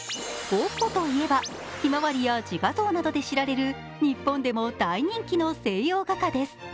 ゴッホといえば、「ひまわり」や「自画像」などで知られる日本でも大人気の西洋画家です。